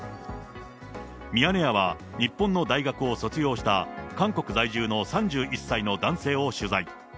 ミヤネ屋は日本の大学を卒業した、韓国在住の３１歳の男性を取材。